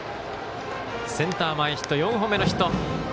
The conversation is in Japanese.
センター前ヒット４本目のヒット。